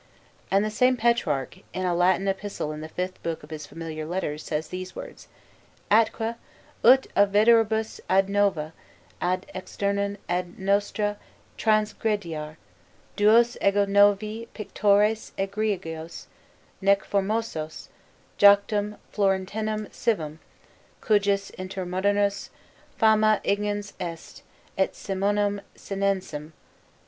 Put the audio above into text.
And the same Petrarch, in a Latin epistle in the fifth book of his Familiar Letters, says these words: "Atque (ut a veteribus ad nova, ab externis ad nostra transgrediar) duos ego novi pictores egregios, nec formosos, Joctum Florentinum civem, cujus inter modernos fama ingens est, et Simonem Senensem.